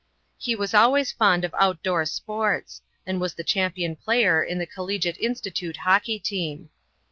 He was always fond of outdoor sports, and was the champion player in the Collegiate Institute hockey team.